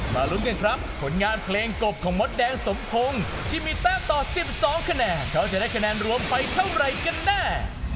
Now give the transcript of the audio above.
ลุ้นกันครับผลงานเพลงกบของมดแดงสมพงศ์ที่มีแต้มต่อ๑๒คะแนนเขาจะได้คะแนนรวมไปเท่าไหร่กันแน่